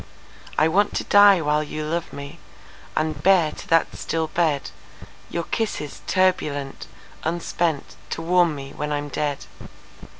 I want to die while you love me, And bear to that still bed, Your kisses turbulent, unspentTo warm me when I'm dead.